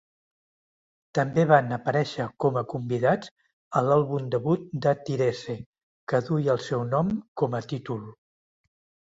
També van aparèixer com a convidats a l'àlbum debut de Tyrese, que duia el seu nom com a títol.